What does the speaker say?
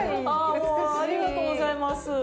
ああもうありがとうございます。